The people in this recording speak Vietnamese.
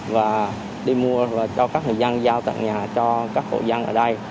và đi mua và cho các người dân giao tặng nhà cho các hộ dân ở đây